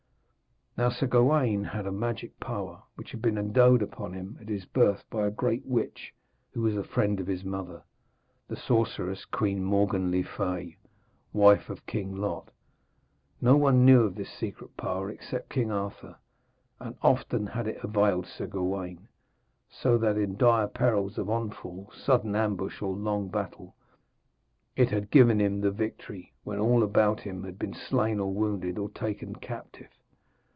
Now Sir Gawaine had a magic power, which had been endowed upon him at his birth by a great witch who was a friend of his mother, the sorceress, Queen Morgan le Fay, wife of King Lot. No one knew of this secret power except King Arthur, and often had it availed Sir Gawaine, so that in dire perils of onfall, sudden ambush, or long battle, it had given him the victory, when all about him had been slain or wounded or taken captive.